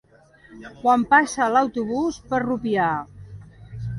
Quan passa l'autobús per Rupià?